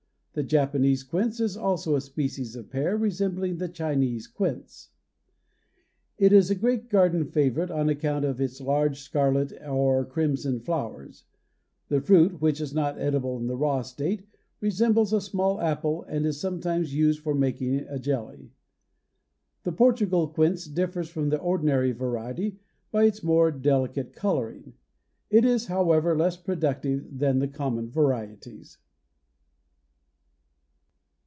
The Japanese quince is also a species of pear resembling the Chinese quince. It is a great garden favorite on account of its large scarlet or crimson flowers. The fruit, which is not edible in the raw state, resembles a small apple and is sometimes used for making a jelly. The Portugal quince differs from the ordinary variety by its more delicate coloring. It is, however, less productive than the common varieties.